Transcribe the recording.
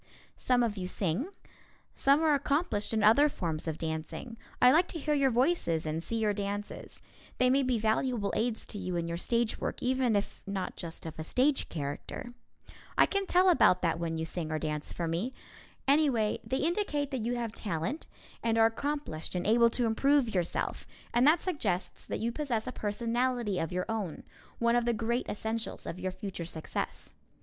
Some of you sing. Some are accomplished in other forms of dancing. I like to hear your voices and see your dances. They may be valuable aids to you in your stage work, even if not just of a stage character. I can tell about that when you sing or dance for me. Anyway, they indicate that you have talent and are accomplished and able to improve yourself, and that suggests that you possess a personality of your own, one of the great essentials of your future success.